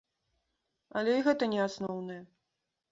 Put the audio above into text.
Але і гэта не асноўнае.